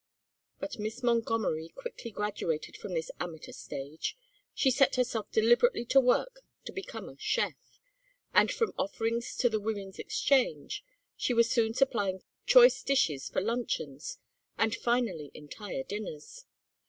But Miss Montgomery quickly graduated from this amateur stage. She set herself deliberately to work to become a chef, and, from offerings to the Womans' Exchange, she was soon supplying choice dishes for luncheons, and finally entire dinners.